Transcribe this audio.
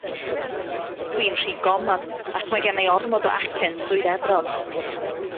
Dw i'n rhy goman ac mae gen i ormod o acen Swydd Efrog.